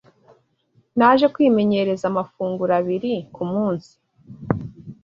Naje kwimenyereza amafunguro abiri ku munsi